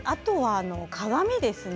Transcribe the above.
鏡ですね。